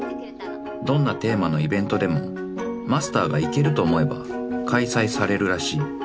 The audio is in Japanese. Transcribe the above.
［どんなテーマのイベントでもマスターがいけると思えば開催されるらしい］